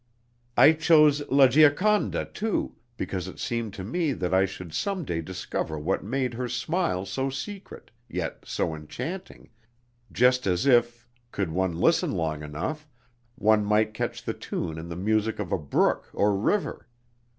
I chose 'La Gioconda' too, because it seemed to me that I should some day discover what made her smile so secret, yet so enchanting, just as if, could one listen long enough, one might catch the tune in the music of a brook or river.